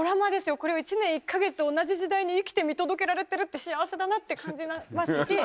これを１年１カ月同じ時代に生きて見届けられてるって幸せだなって感じますし。